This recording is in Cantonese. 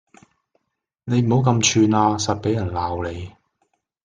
你唔好咁串呀實畀人鬧你